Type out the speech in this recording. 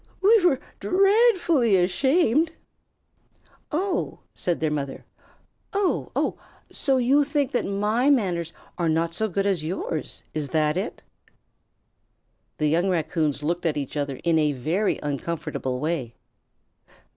"We were d dreadfully ashamed." "Oh!" said their mother. "Oh! Oh! So you think that my manners are not so good as yours! Is that it?" The young Raccoons looked at each other in a very uncomfortable way.